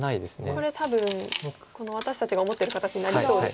これ多分私たちが思ってる形になりそうですかね。